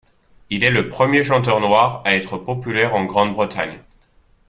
Il est le premier chanteur noir à être populaire en Grande-Bretagne.